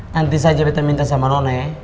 nanti saja betta minta sama nona ya